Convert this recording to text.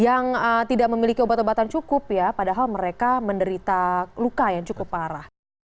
di kampung kampung utama yang tidak memiliki obat obatan cukup ya padahal mereka menderita luka yang cukup parah